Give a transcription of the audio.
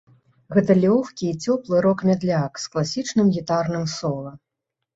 Гэта лёгкі і цёплы рок-мядляк з класічным гітарным сола.